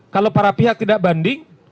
kalau para pihak tidak banding